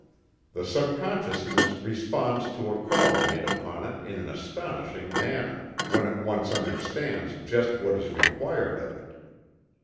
The subconsciousness responds to a call made upon it in an astonishing manner, when it once understands just what is required of it.